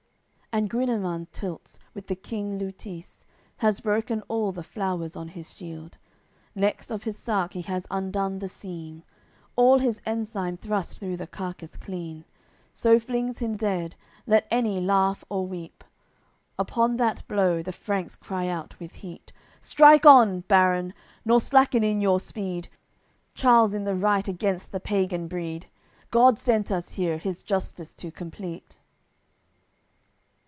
AOI. CCXLII And Guineman tilts with the king Leutice; Has broken all the flowers on his shield, Next of his sark he has undone the seam, All his ensign thrust through the carcass clean, So flings him dead, let any laugh or weep. Upon that blow, the Franks cry out with heat: "Strike on, baron, nor slacken in your speed! Charle's in the right against the pagan breed; God sent us here his justice to complete."